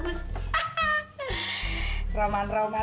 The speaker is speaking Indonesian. jadi itu yang yang aku mau mati